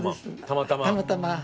たまたま。